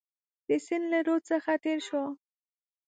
د سیند له رود څخه تېر شو.